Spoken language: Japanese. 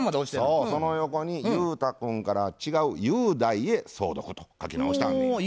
そうその横に雄太君から違う「雄大へ相続」と書き直してあんねや。